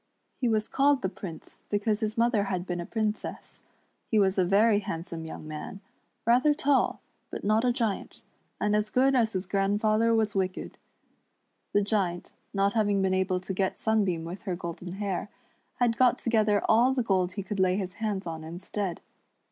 He was called the Prince i;,^ because his mother had been a princess. He was a very handsome young man, rather tall, but not a giant, and as good as his grandfather was wicked. The SLWHEAM AND HER WHITE RABBIT. 79 Giant, not having]: been able to ^cl Sunbeam with her golden hair, had ^ot together all the gold he conld lay his hands on instead.